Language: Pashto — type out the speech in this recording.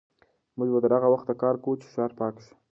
موږ به تر هغه وخته کار کوو چې ښار پاک شي.